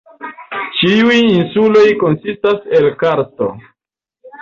Ĉiuj insuloj konsistas el karsto.